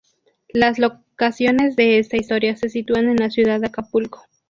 Las locaciones de esta historia se sitúan en la ciudad de Acapulco.